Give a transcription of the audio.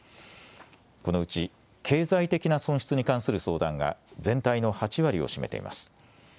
このうち経済的な損失に関する相談が全体の８割を占めています。